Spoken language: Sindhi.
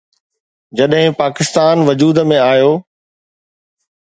جڏهن پاڪستان وجود ۾ آيو.